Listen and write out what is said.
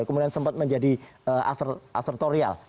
kemudian sempat menjadi aftertorial